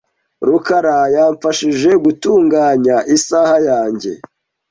rukara yamfashije gutunganya isaha yanjye .